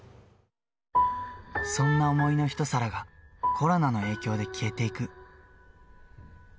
そんな想いの一皿がコロナの影響で消えていく。